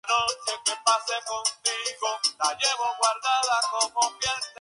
Esta planta, es una trepadora nativa del Himalaya, que tiende a crecer desordenadamente.